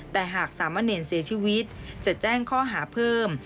แต่หากสามะเนรเสียชีวิตจะแจ้งข้อหาเพิ่ม